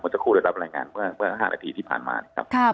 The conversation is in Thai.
ผมจะคู่ด้วยรับรายงานเพื่อ๕นาทีที่ผ่านมาครับ